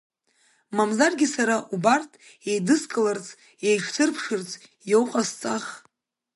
Мамзаргьы, сара убарҭ еидыскыларц, еиҿсырԥшырц иауҟасҵах!